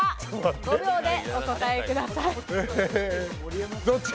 ５秒でお答えください。